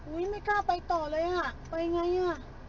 ไม่กล้าไปต่อเลยอ่ะไปไงอ่ะ